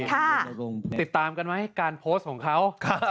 ติดตามกันไหมการโพสต์ของเขา